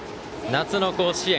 夏の甲子園